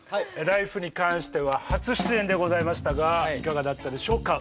「ＬＩＦＥ！」に関しては初出演でございましたがいかがだったでしょうか？